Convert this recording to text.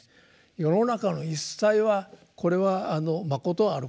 世の中の一切はこれはまことあることがない。